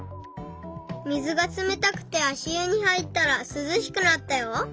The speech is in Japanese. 水がつめたくてあしゆにはいったらすずしくなったよ。